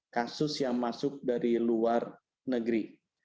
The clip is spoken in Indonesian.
kasus yang masuk dari luar negeri